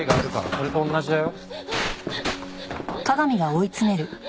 それと同じだよ。